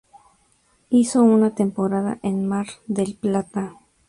Hizo una temporada en Mar del Plata.